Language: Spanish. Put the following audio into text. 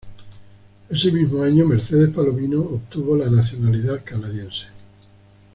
Ese mismo año, Mercedes Palomino obtuvo la nacionalidad canadiense.